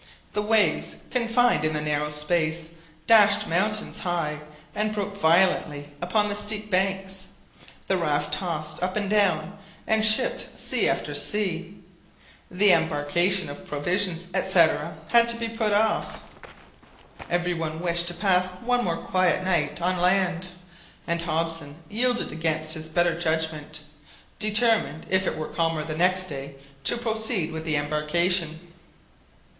The waves, confined in the narrow space, dashed mountains high, and broke violently upon the steep banks. The raft tossed up and down, and shipped sea after sea. The embarkation of provisions, &c., had to be put off. Every one wished to pass one more quiet night on land, and Hobson yielded against his better judgment, determined, if it were calmer the next day, to proceed with the embarkation.